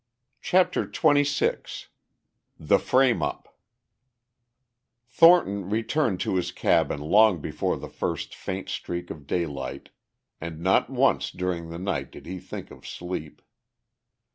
CHAPTER XXVI THE FRAME UP Thornton returned to his cabin long before the first faint streak of daylight, and not once during the night did he think of sleep.